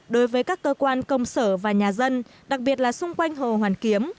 đối với các cơ quan công sở và nhà dân đặc biệt là xung quanh hồ hoàn kiếm